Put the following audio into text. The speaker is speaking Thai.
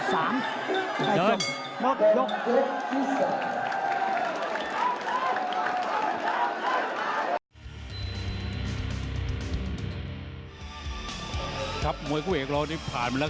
ตอนนี้มันถึง๓ตอนนี้มันถึง๓ตอนนี้มันถึง๓